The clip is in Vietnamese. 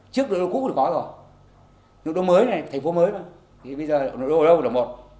trước nội đô cũ thì có rồi nội đô mới này thành phố mới thôi thì bây giờ nội đô ở đâu đồng một